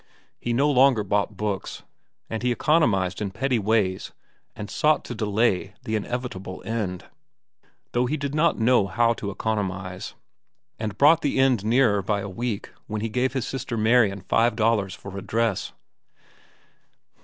He no longer bought books, and he economized in petty ways and sought to delay the inevitable end; though he did not know how to economize, and brought the end nearer by a week when he gave his sister Marian five dollars for a dress.